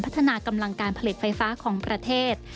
พัฒนากำลังการผลิตไฟฟ้าของประเทศ